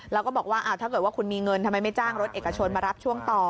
แล้วก็บอกว่าถ้าเกิดว่าคุณมีเงินทำไมไม่จ้างรถเอกชนมารับช่วงต่อ